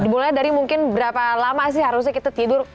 dimulai dari mungkin berapa lama sih harusnya kita tidur